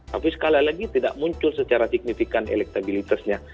tapi sekali lagi tidak muncul secara signifikan elektabilitasnya